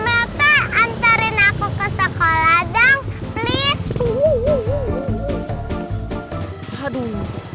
om lata anserin aku ke sekolah dong please